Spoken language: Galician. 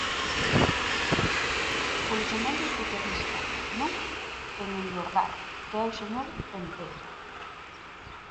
Pois o máis especialista, ¿non?, en enlordar, que é o señor Centeo.